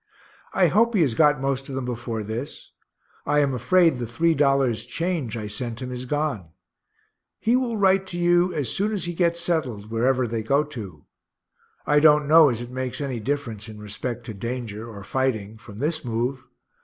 I hope he has got most of them before this. I am afraid the $3 change I sent him is gone. He will write to you as soon as he gets settled wherever they go to. I don't know as it makes any difference in respect to danger, or fighting, from this move.